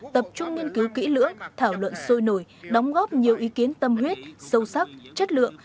tập trung nghiên cứu kỹ lưỡng thảo luận sôi nổi đóng góp nhiều ý kiến tâm huyết sâu sắc chất lượng